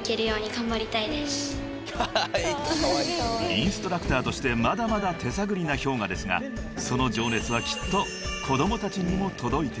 ［インストラクターとしてまだまだ手探りなＨｙＯｇＡですがその情熱はきっと子供たちにも届いているはず］